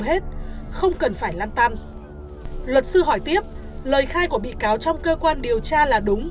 hết không cần phải lăn tăn luật sư hỏi tiếp lời khai của bị cáo trong cơ quan điều tra là đúng